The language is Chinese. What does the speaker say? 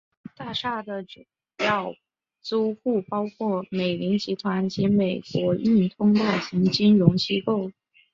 大厦的主要租户包括美林集团及美国运通大型金融机构。